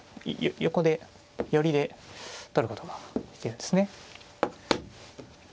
横で寄りで取ることができるんですね。